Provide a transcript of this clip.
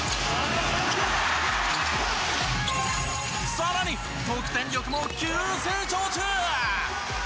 更に、得点力も急成長中。